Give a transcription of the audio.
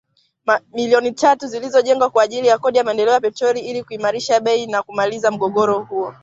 milioni tatu zilizotengwa kwa ajili ya Kodi ya Maendeleo ya Petroli ili kuimarisha bei na kumaliza mgogoro huo